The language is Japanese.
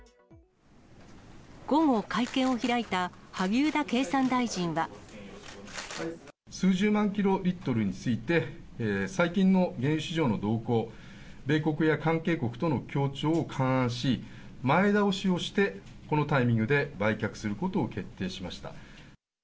午後、数十万キロリットルについて、最近の原油市場の動向、米国や関係国との協調を勘案し、前倒しをしてこのタイミングで売却することを決定しました。